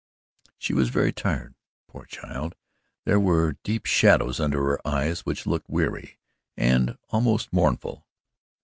She was very tired, poor child; there were deep shadows under her eyes which looked weary and almost mournful.